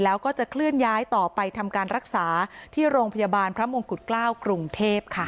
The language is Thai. แล้วก็จะเคลื่อนย้ายต่อไปทำการรักษาที่โรงพยาบาลพระมงกุฎเกล้ากรุงเทพค่ะ